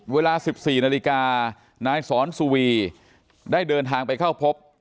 เวลา๑๔นาฬิกานายสอนสุวีได้เดินทางไปเข้าพบ